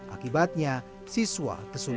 akibatnya siswa tersulitan mengerjakan